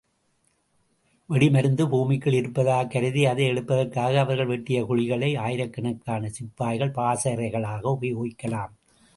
வெடிமருந்து பூமிக்குள் இருப்பதாகக் கருதி அதை எடுப்பதற்காக அவர்கள் வெட்டிய குழிகளை, ஆயிரக்கணக்கான சிப்பாய்கள் பாசறைகளாக உபயோகிக்கலாம்.